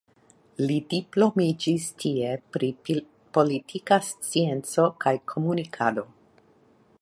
Li diplomiĝis tie pri politika scienco kaj komunikado.